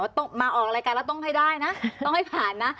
ต้องมาออกรายการแล้วต้องให้ได้นะต้องให้ผ่านนะ